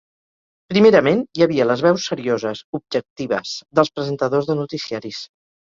Primerament, hi havia les veus serioses, "objectives", dels presentadors de noticiaris.